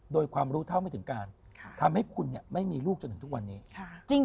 โดยรู้เท่าไม่ถึงการทำให้ไม่มีลูกจนถึงการเป็นผู้ยาว